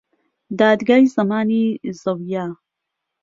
دادگای زەمانی زەویە